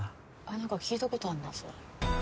あ何か聞いたことあんなそれ。